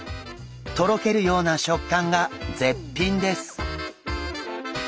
とろけるような食感が絶品です。